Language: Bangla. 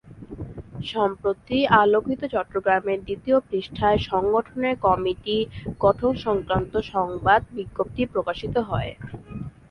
সম্প্রতি আলোকিত চট্টগ্রামের দ্বিতীয় পৃষ্ঠায় সংগঠনের কমিটি গঠনসংক্রান্ত সংবাদ বিজ্ঞপ্তি প্রকাশিত হয়।